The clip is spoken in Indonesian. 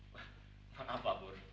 wah kenapa bu